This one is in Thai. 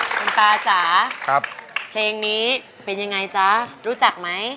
คุณตาจ๋าเพลงนี้เป็นยังไงจ๊ะรู้จักไหม